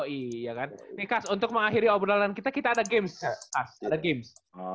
iya kan lukas untuk mengakhiri obrolan kita kita ada games